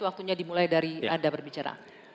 waktunya dimulai dari anda berbicara